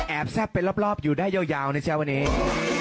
แอบแซ่บเป็นรอบอยู่ได้ยาวในเจ้าวันเอง